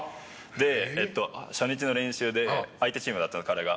で初日の練習で相手チームだった彼が。